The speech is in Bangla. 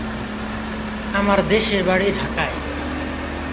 আমার দেশের বাড়ি ঢাকায়।